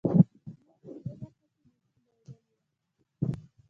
موږ په دې برخه کې بېخي بایللې وه.